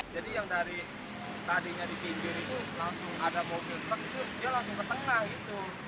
jadi yang dari tadinya di pinggir itu langsung ada mobil sempet itu dia langsung ke tengah itu